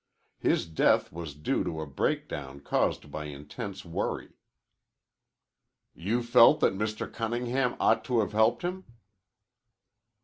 His death was due to a breakdown caused by intense worry." "You felt that Mr. Cunningham ought to have helped him?"